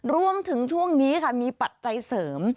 รวมถึงช่วงนี้ค่ะมีปัจจัยเสริม